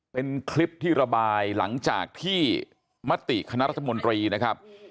เป็นคลิปที่ระบายหลังจากที่มติคณะรัฐมนตรีนะครับ